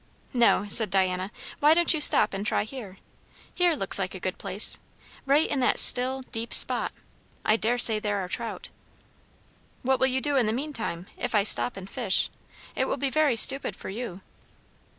"No," said Diana. "Why don't you stop and try here? Here looks like a good place. Right in that still, deep spot, I dare say there are trout. "What will you do in the meantime, if I stop and fish? It will be very stupid for you."